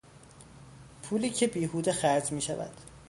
پولی که بیهوده خرج میشود